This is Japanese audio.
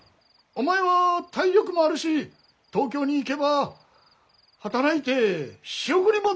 お前は体力もあるし東京に行けば働いて仕送りもできる。